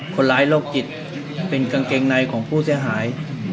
โรคจิตเป็นกางเกงในของผู้เสียหาย